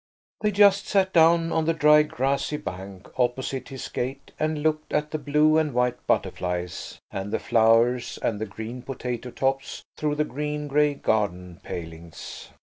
They just sat down on the dry, grassy bank, opposite his gate, and looked at the blue and white butterflies and the flowers and the green potato tops through the green grey garden palings.